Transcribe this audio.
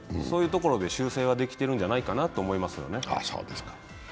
そういうところで修正はできてるんじゃないかなと思いますね。